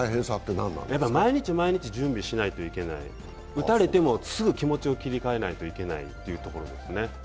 毎日毎日、準備しないといけない、打たれてもすぐ気持ちを切り替えないといけないというところですね。